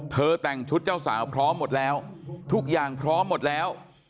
แต่งชุดเจ้าสาวพร้อมหมดแล้วทุกอย่างพร้อมหมดแล้ว